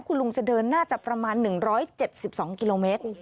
คุณลุงจะเดินน่าจะประมาณ๑๗๒กิโลเมตร